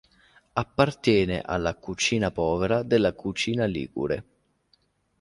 Appartiene alla "cucina povera" della cucina ligure.